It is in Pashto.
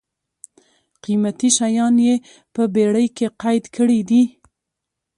قېمتي شیان یې په بېړۍ کې قید کړي دي.